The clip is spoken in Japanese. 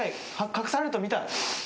隠されると見たい。